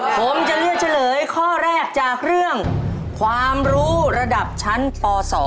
ผมจะเลือกเฉลยข้อแรกจากเรื่องความรู้ระดับชั้นป๒